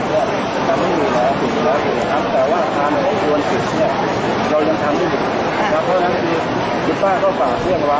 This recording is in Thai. ต้องรอดูรัฐบาลอีกครั้งแต่ว่าตอนนี้มันติดกันแล้ว